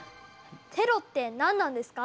テロって何なんですか？